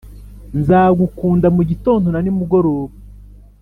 Nzagukunda mugitondo na nimugoroba